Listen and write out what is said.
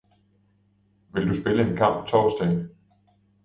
Vil du spille en kamp torsdag?